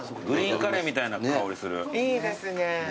いいですね。